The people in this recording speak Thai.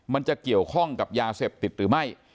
มันจะเกี่ยวข้องกับยาเสพติดหรือไม่